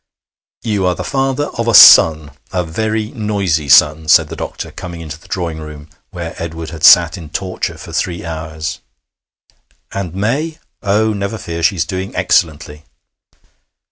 'You are the father of a son a very noisy son,' said the doctor, coming into the drawing room where Edward had sat in torture for three hours. 'And May?' 'Oh, never fear: she's doing excellently.'